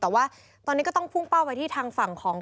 แต่ว่าตอนนี้ก็ต้องพุ่งเป้าไปที่ทางฝั่งของ